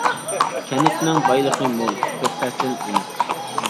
كەنتنىڭ بايلىقى مول، تۆت پەسىل ئېنىق.